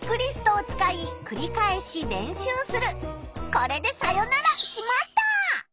これでさよなら「しまった！」。